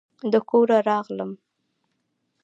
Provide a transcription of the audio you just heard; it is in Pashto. د کوره راغلم